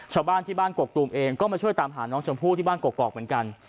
ชาวบ้านที่บ้านกกตูมเองก็มาช่วยตามหาน้องชมพู่ที่บ้านกอกเหมือนกัน